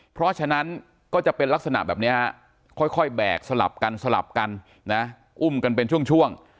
เพราะฉะนั้นก็จะเป็นลักษณะแบบนี้ค่อยแบกสลับกันสลับกันนะอุ้มกันเป็นช่วง